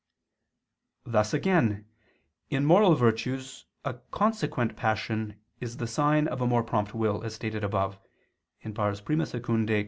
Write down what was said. Thus again, in moral virtues a consequent passion is the sign of a more prompt will, as stated above (I II, Q.